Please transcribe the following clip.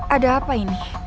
ada apa ini